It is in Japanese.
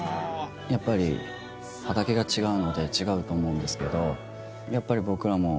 やっぱり畑が違うので違うと思うんですけどやっぱり僕らも。